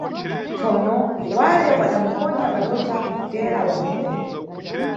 Tsono, wale wada muponya padotha teera wamuphe.